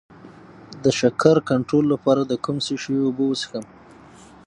د شکر کنټرول لپاره د کوم شي اوبه وڅښم؟